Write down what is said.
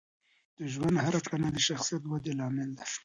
د ژوند هره کړنه د شخصیت ودې لامل ده.